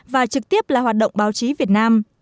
và trực tiếp là hoạt động báo chí việt nam